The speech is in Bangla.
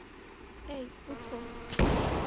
অ্যাই, উঠো।